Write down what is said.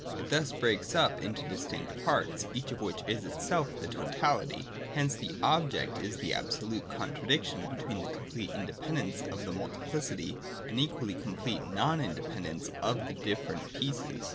It thus breaks up into distinct parts, each of which is itself the totality. Hence the object is the absolute contradiction between a complete independence of the multiplicity, and the equally complete non independence of the different pieces.